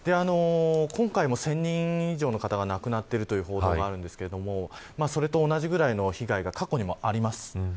今回も１０００人以上の方が亡くなっている報道がありますけどもそれと同じぐらいの被害が過去にもあります。